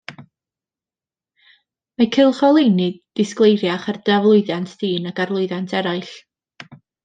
Mae cylch o oleuni disgleiriach ar dy aflwyddiant di nag ar lwyddiant eraill.